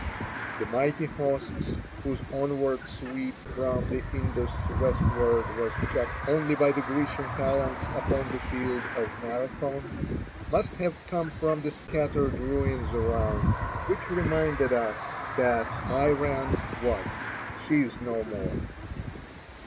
The mighty hosts whose onward sweep from the Indus westward was checked only by the Grecian phalanx upon the field of Marathon must have come from the scattered ruins around, which reminded us that "Iran was; she is 76 Across Asia on a Bicycle no more."